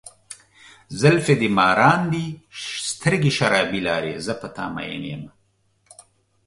زلفې دې مارانو دي، سترګې شرابي لارې، زه په ته ماين یمه.